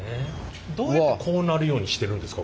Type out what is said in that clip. どうやってこうなるようにしてるんですか？